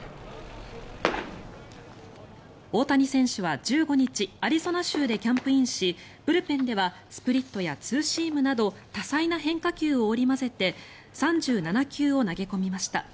大谷選手は１５日アリゾナ州でキャンプインしブルペンではスプリットやツーシームなど多彩な変化球を織り交ぜて３７球を投げ込みました。